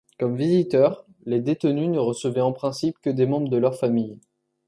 Comme visiteurs, les détenus ne recevaient en principe, que des membres de leur famille.